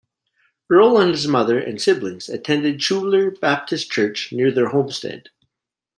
Earl and his mother and siblings attended Schuyler Baptist Church near their homestead.